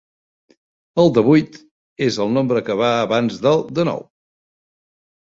El devuit és el nombre que va abans del denou.